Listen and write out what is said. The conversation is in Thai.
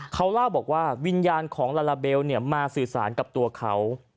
เขาเล่าบอกว่าวิญญาณของลาลาเบลมาสื่อสารกับตัวเขา